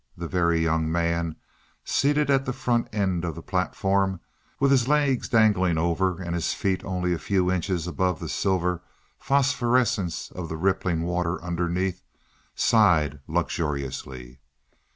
The Very Young Man, seated at the front end of the platform with his legs dangling over and his feet only a few inches above the silver phosphorescence of the rippling water underneath, sighed luxuriously.